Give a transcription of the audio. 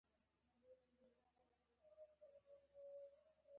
دا څه دلیل دی ؟